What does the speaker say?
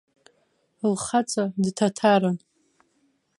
Лхаҵа дҭаҭарын.